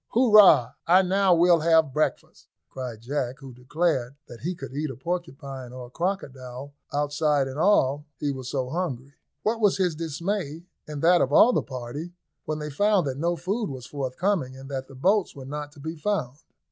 "Hurrah I now we'll have breakfast," cried Jack, who declared that he could eat a porcupine or a crocodile, outside and all, he was so hungry. What was his dismay, and that of all the party, when they found that no food was forthcoming, and that the boats were not to be found.